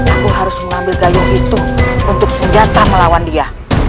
aku harus mengambil gayung itu untuk senjata melawan dia